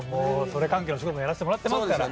それ関係のお仕事もやらせてもらってますから。